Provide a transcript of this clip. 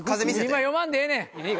今読まんでええねん。